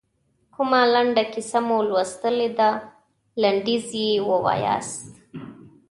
کومه لنډه کیسه مو لوستلې ده لنډیز یې ووایاست.